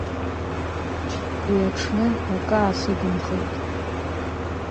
Уи аҽны акы аасыгымхеит.